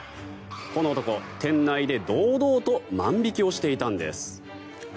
この男、店内で堂々と万引きをしていたんです。